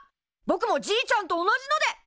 ぼくもじいちゃんと同じので！